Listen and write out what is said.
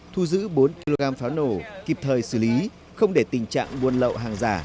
thu giữ bốn kg pháo nổ kịp thời xử lý không để tình trạng buôn lậu hàng giả